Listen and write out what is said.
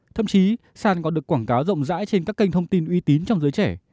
thậm chí sản có được quảng cáo rộng rãi trên các kênh thông tin uy tín trong giới trẻ